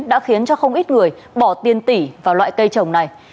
đã khiến cho không ít người bỏ tiền tỷ vào loại cây trồng này